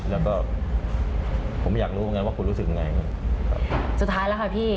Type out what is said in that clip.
แล้วก็ผมอยากรู้ไงว่าคุณรู้สึกไงสุดท้ายแล้วค่ะพี่